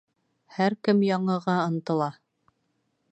Һәр кем яңыға ынтыла.